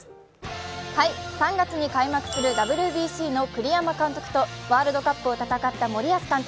３月に開幕するＷＢＣの栗山監督とワールドカップを戦った森保監督。